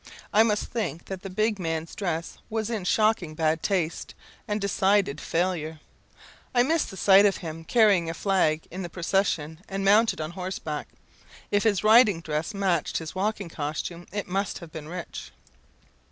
I must think that the big man's dress was in shocking bad taste, and decided failure. I missed the sight of him carrying a flag in the procession, and mounted on horseback; if his riding dress matched his walking costume, it must have been rich.